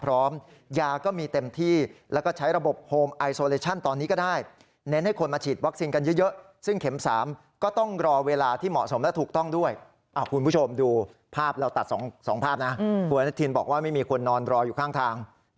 เราตัดสองภาพนะคุณอนุทินบอกว่าไม่มีคนนอนรออยู่ข้างทาง